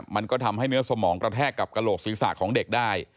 มันก็ทำให้เนื้อสมองกระแทกกับกระโหลกศีรษะของเด็กได้